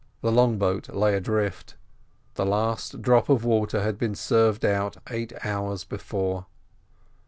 The long boat lay adrift. The last drop of water had been served out eight hours before.